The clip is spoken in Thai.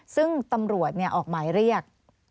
ซึ่งตำรวจออกหมายเรียก